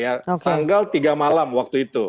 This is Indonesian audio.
ya tanggal tiga malam waktu itu